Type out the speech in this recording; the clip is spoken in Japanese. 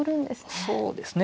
そうですね。